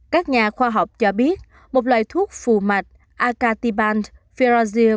các nhà khoa học cho biết một loại thuốc phù mạch acatiband ferasil